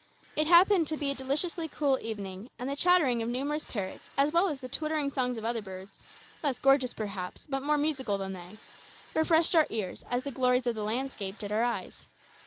It happened to be a deliciously cool evening, and the chattering of numerous parrots as well as the twittering songs of other birds less gorgeous, perhaps, but more musical than they refreshed our ears as the glories of the landscape did our eyes.